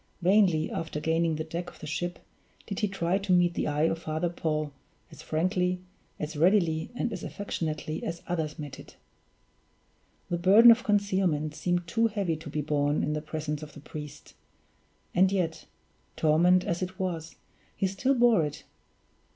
Vainly, after gaining the deck of the ship, did he try to meet the eye of Father Paul as frankly, as readily, and as affectionately as others met it. The burden of concealment seemed too heavy to be borne in the presence of the priest and yet, torment as it was, he still bore it!